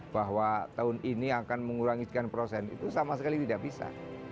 bahwa tahun ini akan mengurangkan prosent itu sama sekali tidak bisa